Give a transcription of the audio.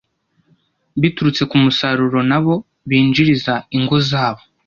biturutse ku musaruro nabo binjiriza ingo zabo